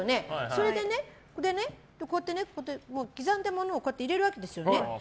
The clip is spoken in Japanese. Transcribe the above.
それでね、こうやって刻んだものを入れるわけですよね。